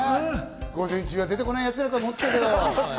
午前中は出てこないやつだとは思ってたけども。